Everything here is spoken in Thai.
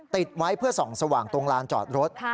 ติดไว้เพื่อส่องสว่างตรงลานจอดรถ